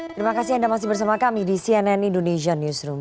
terima kasih anda masih bersama kami di cnn indonesia newsroom